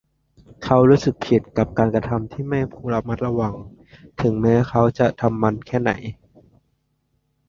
เขารู้สึกผิดกับการกระทำที่ไม่ระมัดระวังถึงแม้ว่าเขาจะทำมันแค่ไหน